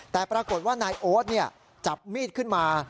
แต่ปรากฏว่านายโอ๊ตจับมีดขึ้นมา